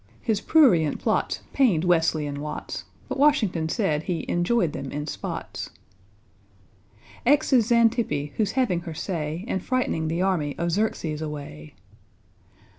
His prurient plots pained =W=esley and =W=atts, But =W=ashington said he "enjoyed them in spots." =X= is =X=antippe, who's having her say, And frightening the army of =X=erxes away.